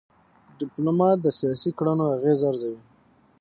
ډيپلومات د سیاسي کړنو اغېز ارزوي.